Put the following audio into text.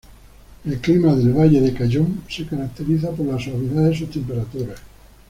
El clima del Valle de Cayón se caracteriza por la suavidad de sus temperaturas.